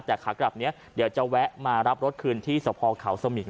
แต่ขากลับนี้เดี๋ยวจะแวะมารับรถคืนที่สภเขาสมิง